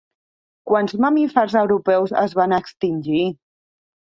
Quants mamífers europeus es van extingir?